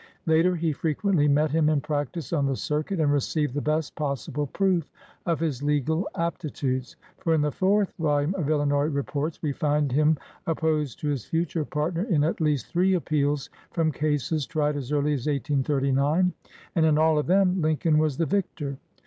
1 Later he frequently met him in practice on the circuit, and received the best possible proof of his legal aptitudes; for in the fourth volume of Illinois Reports we find him opposed to his future partner in at least three appeals from cases tried as early as 1839, and in all of them Lincoln was the victor.